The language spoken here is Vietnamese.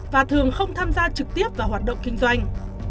và thường không tham gia trực tiếp vào hoạt động kinh doanh